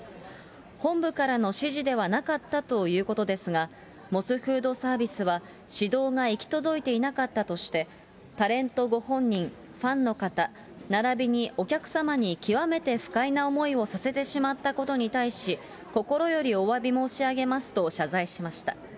本部からの指示ではなかったということですが、モスフードサービスは、指導が行き届いていなかったとして、タレントご本人、ファンの方、ならびにお客様に、極めて不快な思いをさせてしまったことに対し、心よりおわび申し上げますと謝罪しました。